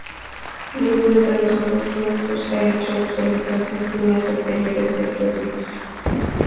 Ninguno de los nuevos productos ha hecho obsoletas las líneas anteriores de productos.